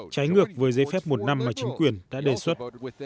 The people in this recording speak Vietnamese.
trái ngược với giấy phép một năm mà chính quyền đã đề xuất